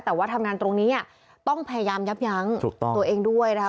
แต่ว่าทำงานตรงนี้ต้องพยายามยับยั้งตัวเองด้วยนะคะ